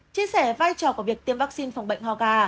chia sẻ vai trò của việc tiêm vaccine phòng bệnh ho gà